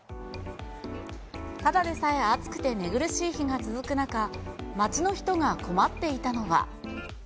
ただでさえ暑くて寝苦しい日が続く中、街の人が困っていたのは。